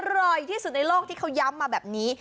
อร่อยที่สุดในโลกที่เขาย้ำมาแบบนี้